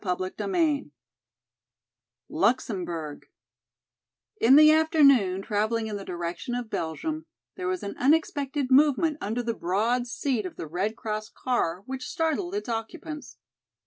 CHAPTER IV Luxemburg IN the afternoon, traveling in the direction of Belgium, there was an unexpected movement under the broad seat of the Red Cross car which startled its occupants.